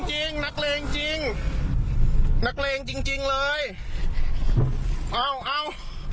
จริงจริงนักเลงจริงจริงเลยอ้าวอ้าว